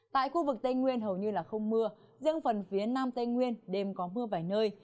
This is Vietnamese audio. tại khu vực tây nguyên hầu như không mưa riêng phần phía nam tây nguyên đêm có mưa vài nơi